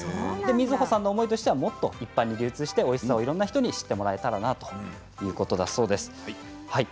みづほさんの思いとしては一般にもっと流通しておいしさを知ってもらえたらなということだそうです。